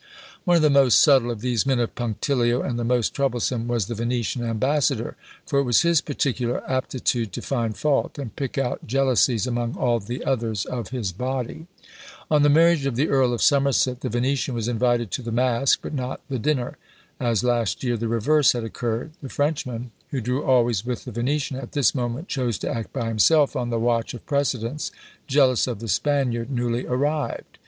One of the most subtle of these men of punctilio, and the most troublesome, was the Venetian ambassador; for it was his particular aptitude to find fault, and pick out jealousies among all the others of his body. On the marriage of the Earl of Somerset, the Venetian was invited to the masque, but not the dinner, as last year the reverse had occurred. The Frenchman, who drew always with the Venetian, at this moment chose to act by himself on the watch of precedence, jealous of the Spaniard newly arrived.